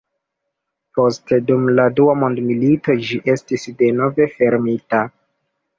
Poste dum la dua mondmilito ĝi estis denove fermita.